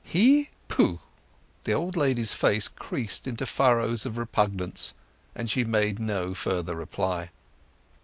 "He! Pooh!" The old lady's face creased into furrows of repugnance, and she made no further reply.